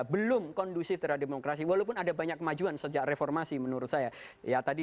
belum kondusif terhadap demokrasi walaupun ada banyak kemajuan sejak reformasi menurut saya ya tadi